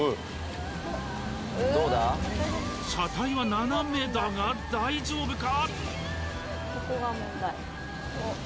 車体は斜めだが大丈夫か？